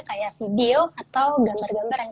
kayak video atau gambar gambar yang